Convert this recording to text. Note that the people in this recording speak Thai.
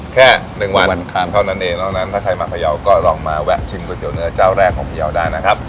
แค่๑วันวันคามเท่านั้นเองนอกนั้นถ้าใครมาพยาวก็ลองมาแวะชิมก๋วเนื้อเจ้าแรกของพยาวได้นะครับ